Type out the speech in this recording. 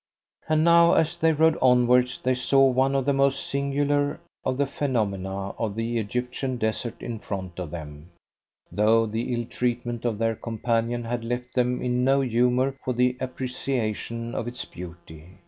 And now as they rode onwards they saw one of the most singular of the phenomena of the Egyptian desert in front of them, though the ill treatment of their companion had left them in no humour for the appreciation of its beauty.